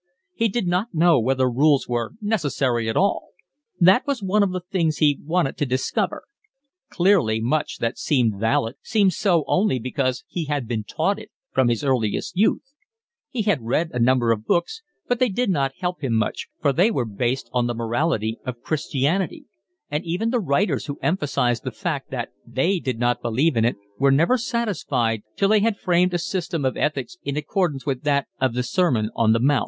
He did not know whether rules were necessary at all. That was one of the things he wanted to discover. Clearly much that seemed valid seemed so only because he had been taught it from his earliest youth. He had read a number of books, but they did not help him much, for they were based on the morality of Christianity; and even the writers who emphasised the fact that they did not believe in it were never satisfied till they had framed a system of ethics in accordance with that of the Sermon on the Mount.